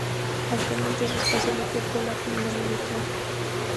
Actualmente su espacio lo ocupa la colonia militar.